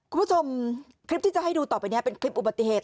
คุณผู้ชมคลิปที่จะให้ดูต่อไปนี้เป็นคลิปอุบัติเหตุ